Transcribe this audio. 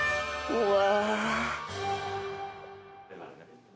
うわ！